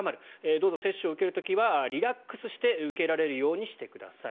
どうぞ接種を受ける時はリラックスして受けられるようにしてください。